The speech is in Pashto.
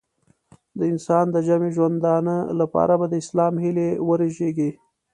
د انسان د جمعي ژوندانه لپاره به د اسلام هیلې ورژېږي.